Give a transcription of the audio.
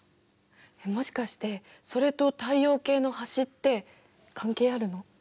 もしかしてそれと太陽系の端って関係あるの？